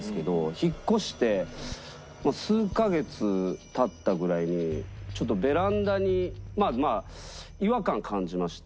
引っ越して数カ月経ったぐらいにちょっとベランダにまあまあ違和感感じまして。